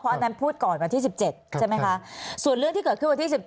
อันนั้นพูดก่อนวันที่๑๗ใช่ไหมคะส่วนเรื่องที่เกิดขึ้นวันที่๑๗